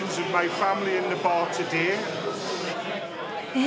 え？